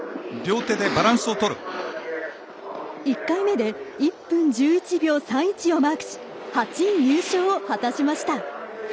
１回目で１分１１秒３１をマークし８位入賞を果たしました。